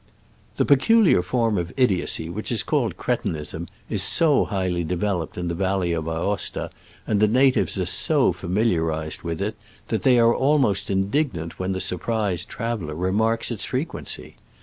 The peculiar form of idiocy which is called cretinism is so highly developed in the valley of Aosta, and the natives are so familiarized with it, that they are almost indignant when the surprised traveler remarks its frequency.